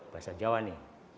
bahasa jawa nih